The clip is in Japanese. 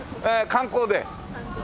観光です。